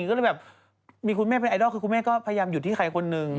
ก็เลยแบบมีคุณแม่เป็นไอดอลคือคุณแม่ก็พยายามหยุดที่ใครคนนึง